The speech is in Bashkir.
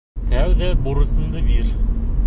Тәүҙә бурысыңды бир!